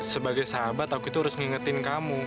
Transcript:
sebagai sahabat aku itu harus ngingetin kamu